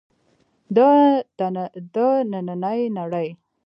د نننۍ نړۍ له بدلونونو سره بنسټونه راولاړ شوي دي.